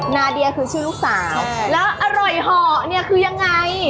นาเดียคือชื่อลูกสาวแล้วอร่อยห่อเนี่ยคือยังไง